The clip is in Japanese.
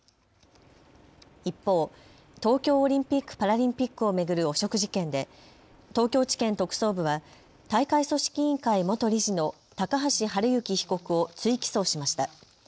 一方、東京オリンピック・パラリンピックを巡る汚職事件で東京地検特捜部は大会組織委員会元理事の高橋治之被告を追起訴しました。